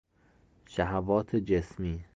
شهوات جسمی